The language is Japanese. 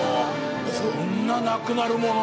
こんななくなるもの？